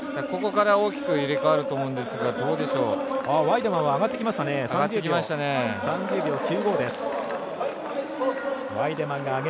ここから大きく入れ代わると思うんですが。